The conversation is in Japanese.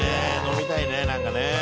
飲みたいねなんかね」